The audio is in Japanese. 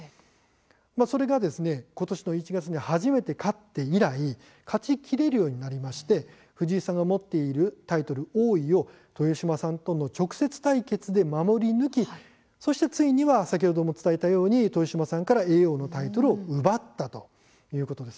それが、ことしの１月に初めて勝って以来勝ちきれるようになりまして藤井さんが持っているタイトル王位を豊島さんとの直接対決で守り抜きそして、ついには先ほども伝えたように豊島さんから叡王のタイトルを奪ったということなんです。